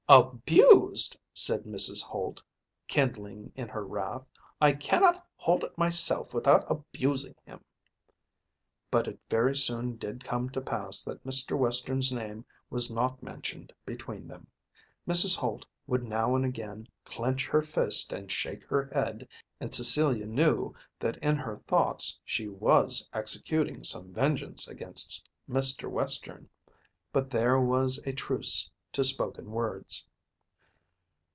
"Abused!" said Mrs. Holt, kindling in her wrath. "I cannot hold myself without abusing him." But it very soon did come to pass that Mr. Western's name was not mentioned between them. Mrs. Holt would now and again clench her fist and shake her head, and Cecilia knew that in her thoughts she was executing some vengeance against Mr. Western; but there was a truce to spoken words.